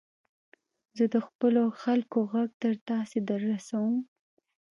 زه د خپلو خلکو ږغ تر تاسي در رسوم.